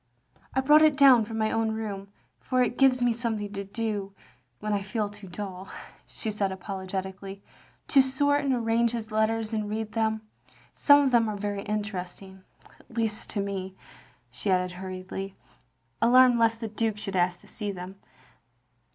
I brought it down from my own room, for it gives me something to do, when I feel too dull, " she said apologetically, "to sort and arrange his letters and read them. Some of them are very interesting, at least to me," she added hurriedly, alarmed lest the Duke should ask to see them.